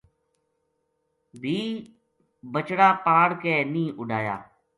بھی بچڑا پاڑ کے نیہہ اُڈایا‘‘